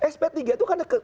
sp tiga itu kan